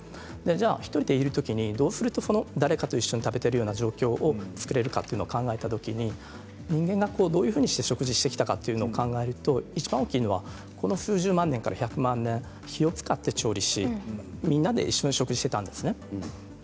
じゃあ１人でいるときにどうするかというと誰かと一緒に食べているような状況を作れるかというの考えたときに人間がどういうふうに食事をしてきたかと考えるといちばん大きいのはこの数十万年から１００万年火を使って調理しみんなで一緒に食事していたんですね。